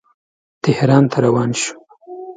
تهران ته روان شو.